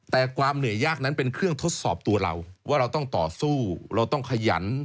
แต่ความเหนื่อยยากนั้นเป็นเครื่องทดสอบตัวเราว่าเราต้องต่อสู้เราต้องขยัน